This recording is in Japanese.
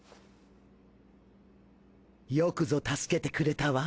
よくぞ助けてくれたわ